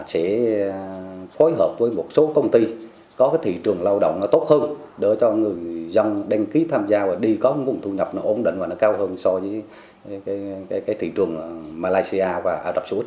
sẽ phối hợp với một số công ty có thị trường lao động tốt hơn để cho người dân đăng ký tham gia và đi có một vùng thu nhập ổn định và cao hơn so với thị trường malaysia và ả rập suốt